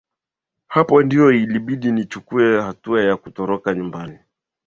hapo ndio ilibidi nichukue hatua ya kutoroka nyumbani